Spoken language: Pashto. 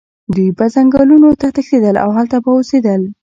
دوی به ځنګلونو ته تښتېدل او هلته به اوسېدل.